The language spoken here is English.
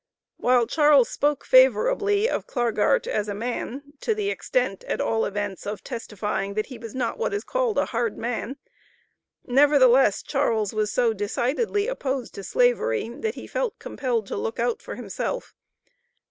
While Charles spoke favorably of Clargart as a man, to the extent, at all events, of testifying that he was not what was called a hard man, nevertheless Charles was so decidedly opposed to Slavery that he felt compelled to look out for himself.